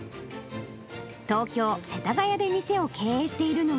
東京・世田谷で店を経営しているのは。